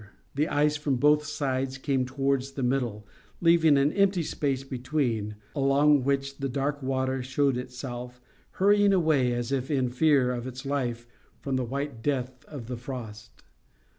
The ice from both sides came towards the middle, leaving an empty space between, along which the dark water showed itself, hurrying away as if in fear of its life from the white death of the frost.